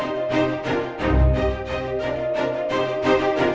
awan jago banget naik motornya